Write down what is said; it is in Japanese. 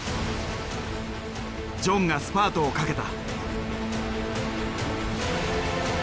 ジョンがスパートをかけた。